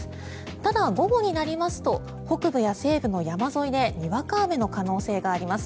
ただ、午後になりますと北部や西部の山沿いでにわか雨の可能性があります。